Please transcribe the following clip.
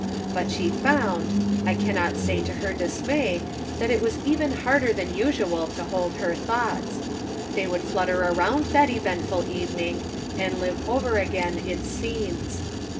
But she found, I cannot say to her dismay, that it was even harder than usual to hold her thoughts. They would flutter around that eventful evening and live over again its scenes.